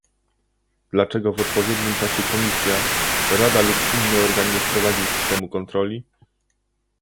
Dlaczego w odpowiednim czasie Komisja, Rada lub inny organ nie wprowadził systemu kontroli?